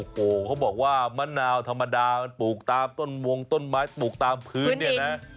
โอ้โหเขาบอกว่ามะนาวธรรมดามันปลูกตามต้นวงต้นไม้ปลูกตามพื้นเนี่ยนะ